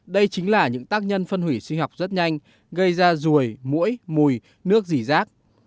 đây chính là những tác nhân phân hủy sinh học rất nhanh gây ra rùi mũi mùi nước dỉ rác